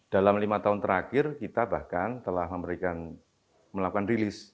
dalam lima tahun terakhir kita bahkan telah memberikan melakukan rilis